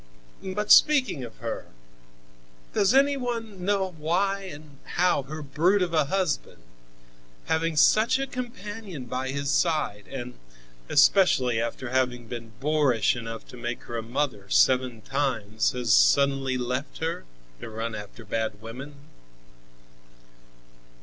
But, speaking of her, does any one know why and how her brute of a husband, having such a companion by his side, and especially after having been boorish enough to make her a mother seven times, has suddenly left her, to run after bad women?"